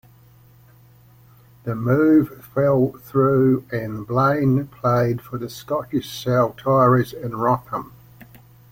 The move fell through, and Blain played for the Scottish Saltires and Rotherham.